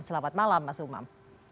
selamat malam mas umam